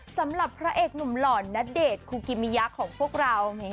สำหรับพระเอกหนุ่มหล่อณเดชน์คูกิมิยะของพวกเรา